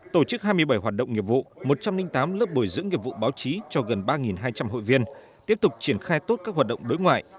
tổ chức hai mươi bảy hoạt động nghiệp vụ một trăm linh tám lớp bồi dưỡng nghiệp vụ báo chí cho gần ba hai trăm linh hội viên tiếp tục triển khai tốt các hoạt động đối ngoại